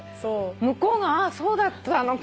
向こうがああそうだったのか。